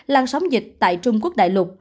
lan sóng dịch tại trung quốc đại lục